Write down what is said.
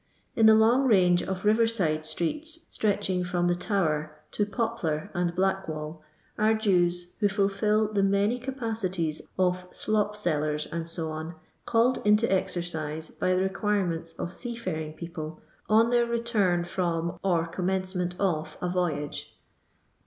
In the long range of river side streets, stretching from the Tower to PopUr and Blackwall, are Jews, who fulfil the many capacities of slop sellers, &c., called into ex erdee .by the requirements of sea&ring people on their return from or commencement of a voyage.